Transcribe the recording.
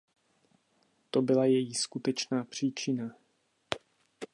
To byla její skutečná příčina.